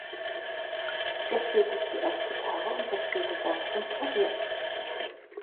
Er spielte zuerst Gitarre und wechselte dann zum Klavier.